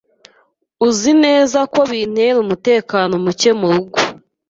Uzi neza ko bintera umutekano muke murugo